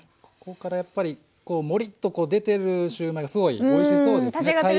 ここからやっぱりこうモリッと出てるシューマイがすごいおいしそうですね。